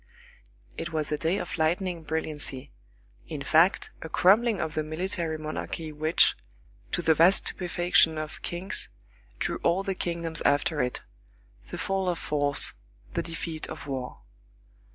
It was a day of lightning brilliancy; in fact, a crumbling of the military monarchy which, to the vast stupefaction of kings, drew all the kingdoms after it—the fall of force, the defeat of war.